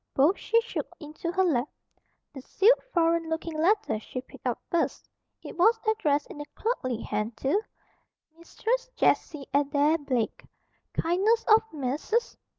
Both she shook into her lap. The sealed, foreign looking letter she picked up first. It was addressed in a clerkly hand to, "MISTRESS JESSIE ADAIR BLAKE, "KINDNESS OF MESSRS.